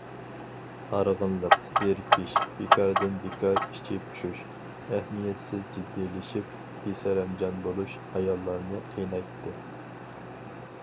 ھارغىنلىق، زېرىكىش، بىكاردىن- بىكار ئىچى پۇشۇش، ئەھمىيەتسىز جىددىيلىشىپ، بىسەرەمجان بولۇش... ئاياللارنى قىينايتتى.